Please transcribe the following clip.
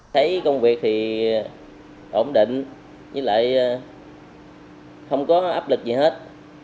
thấy công việc thì ổn định với lại không có áp lực gì hết